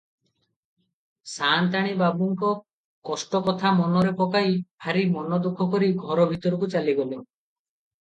ସା’ନ୍ତାଣୀ ବାବୁଙ୍କ କଷ୍ଟ କଥା ମନରେ ପକାଇ ଭାରି ମନୋଦୁଃଖ କରି ଘର ଭିତରକୁ ଚାଲିଗଲେ ।